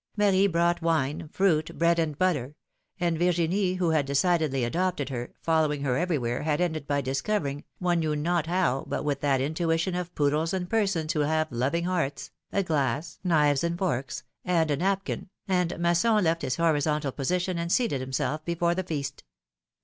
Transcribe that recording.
Marie brought wine, fruit, bread and butter; and Vir ginie, who had decidedly adopted her, following her everywhere, had ended by discovering, one knew not how, but with that intuition of poodles and persons who have loving hearts, a glass, knives and forks, and a napkin, and Masson left his horizontal position and seated himself before the feast.